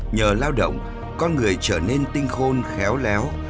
nhờ lao động con người trở nên tinh khôn khéo léo